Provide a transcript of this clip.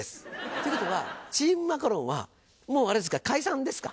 ってことはチームマカロンはもうあれですか解散ですか？